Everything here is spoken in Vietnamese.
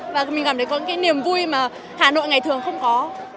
và mình cảm thấy có những cái niềm vui mà hà nội ngày thường không có